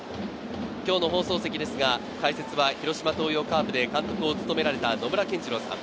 今日の放送席ですが、解説は広島東洋カープで監督を務められた野村謙二郎さん。